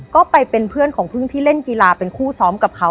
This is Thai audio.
ก็ไปเป็นเพื่อนของพึ่งที่เล่นกีฬาเป็นคู่ซ้อมกับเขา